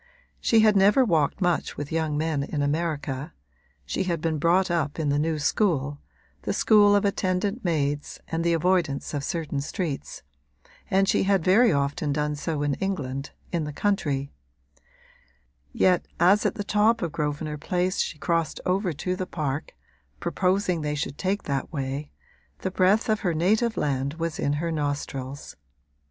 She had never walked much with young men in America (she had been brought up in the new school, the school of attendant maids and the avoidance of certain streets) and she had very often done so in England, in the country; yet, as at the top of Grosvenor Place she crossed over to the park, proposing they should take that way, the breath of her native land was in her nostrils.